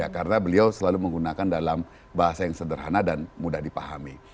karena beliau selalu menggunakan dalam bahasa yang sederhana dan mudah dipahami